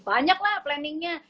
banyak lah planningnya